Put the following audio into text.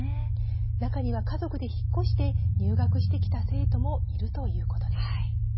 中には家族で引っ越して入学してきた生徒もいるということです。